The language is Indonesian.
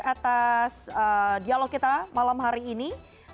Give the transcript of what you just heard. atas dialog kita malam hari ini